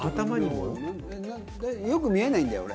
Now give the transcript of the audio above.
よく見えないんだよ、俺。